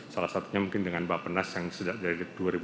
salah satunya mungkin dengan mbak pernas yang sudah dari dua ribu tujuh belas